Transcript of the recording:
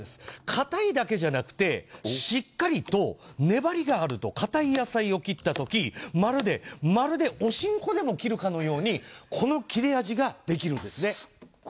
硬いだけじゃなくてしっかりと粘りがあると硬い野菜を切った時まるでおしんこでも切るかのようにこの切れ味ができるんです。